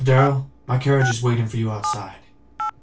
Darrell, my carriage is waiting for you outside.